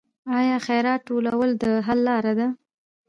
آیا خیرات ټولول د حل لاره ده؟